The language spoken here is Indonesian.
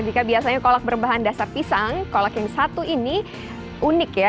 jika biasanya kolak berbahan dasar pisang kolak yang satu ini unik ya